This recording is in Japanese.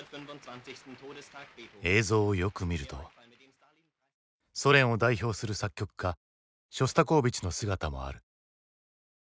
映像をよく見るとソ連を代表する作曲家ショスタコーヴィチの姿もある。